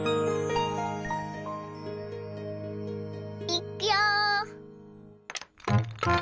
いくよ！